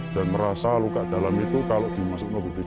dan merasa luka dalam itu kalau dimasuk ke bgjs tenaga kerja